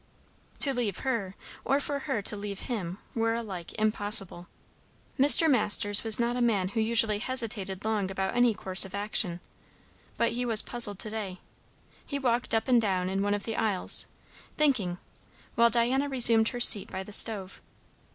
To leave her, or for her to leave him, were alike impossible. Mr. Masters was not a man who usually hesitated long about any course of action, but he was puzzled to day. He walked up and down in one of the aisles, thinking; while Diana resumed her seat by the stove.